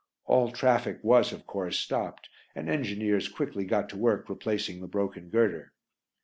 All traffic was, of course, stopped, and engineers quickly got to work replacing the broken girder.